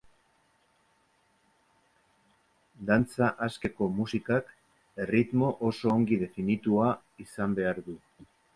Dantza askeko musikak erritmo oso ongi definitua izan behar du.